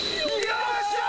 よっしゃー！